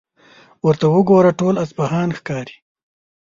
ورته وګوره، ټول اصفهان ښکاري.